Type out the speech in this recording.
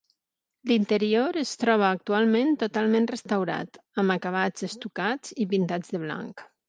L'interior es troba actualment totalment restaurat, amb acabats estucats i pintats de blanc.